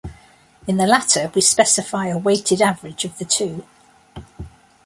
In the latter, we specify a weighted average of the two.